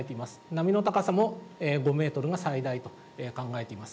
波の高さも５メートルが最大と考えています。